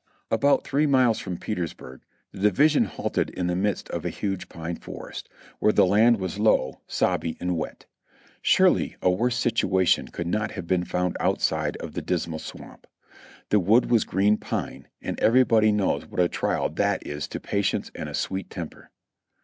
About three miles from Petersburg the division halted in the midst of a huge pine forest, where the land was low, sobby and wet. Surely a worse situation could not have been found out side of the Dismal Swamp. The wood was green pine, and every body knows what a trial that is to patience and a sweet temper.